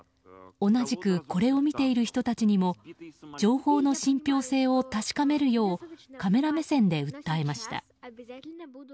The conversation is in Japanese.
同じくこれを見ている人たちにも情報の信ぴょう性を確かめるようカメラ目線で訴えました。